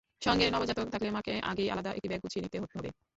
সঙ্গে নবজাতক থাকলে মাকে আগেই আলাদা একটি ব্যাগ গুছিয়ে নিতে হবে।